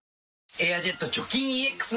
「エアジェット除菌ＥＸ」